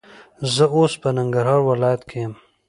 زه اوس په ننګرهار ولایت کې یم.